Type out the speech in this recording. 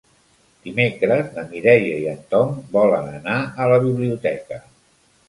Dimecres na Mireia i en Tom volen anar a la biblioteca.